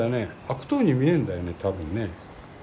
悪党に見えるんだよね多分ね。